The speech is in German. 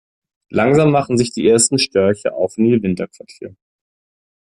Langsam machen sich die ersten Störche auf in ihr Winterquartier.